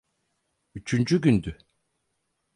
Üçüncü gündü.